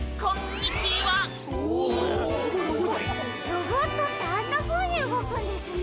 ロボットってあんなふうにうごくんですね。